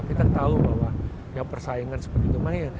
kita tahu bahwa persaingan seperti itu lumayan